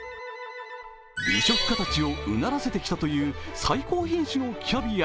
美食家たちをうならせてきたという最高品種のキャビア。